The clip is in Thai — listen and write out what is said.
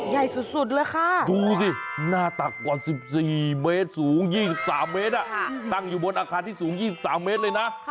ใหญ่สุดเลยค่ะดูสิหน้าตักกว่า๑๔เมตรสูง๒๓เมตรตั้งอยู่บนอาคารที่สูง๒๓เมตรเลยนะ